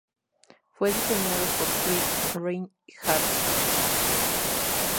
Fue diseñado por Fritz Reinhardt.